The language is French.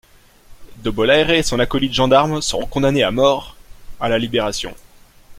Dobbolaere et son acolyte gendarme seront condamnés à mort à la Libération.